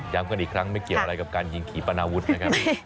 กันอีกครั้งไม่เกี่ยวอะไรกับการยิงขี่ปนาวุฒินะครับ